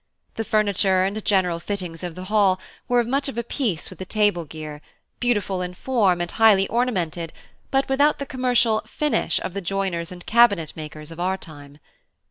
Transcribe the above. The furniture and general fittings of the hall were much of a piece with the table gear, beautiful in form and highly ornamented, but without the commercial "finish" of the joiners and cabinet makers of our time.